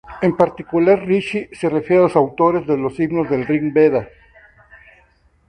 En particular, "rishi" se refiere a los autores de los himnos del "Rig-veda".